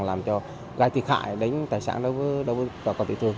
làm cho gai thiệt hại đến tài sản đối với bà con tiểu thương